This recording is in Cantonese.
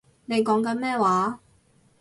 你講緊咩話